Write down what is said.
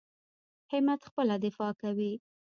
همت خپله دفاع کوي.